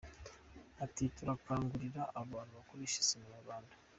Ati “Turakangurira abantu gukoresha sima Nyarwanda.